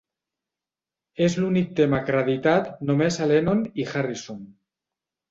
És l'únic tema acreditat només a Lennon i Harrison.